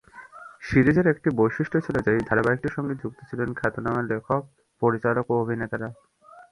সিরিজের একটি বৈশিষ্ট্য ছিল যে এই ধারাবাহিকটির সঙ্গে যুক্ত ছিলেন খ্যাতনামা লেখক, পরিচালক ও অভিনেতারা।